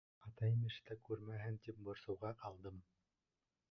Атайым ишетә күрмәһен тип борсоуға ҡалдым.